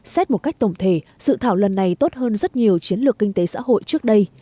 xét một cách tổng thể sự thảo lần này tốt hơn rất nhiều chiến lược kinh tế xã hội trước đây